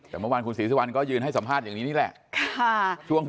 แต่เมื่อวานคุณศรีสุวรรณก็ยืนให้สัมภาษณ์อย่างนี้นี่แหละ